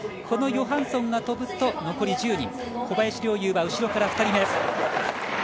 このヨハンソンが飛ぶと残り１０人小林陵侑は後ろから２人目。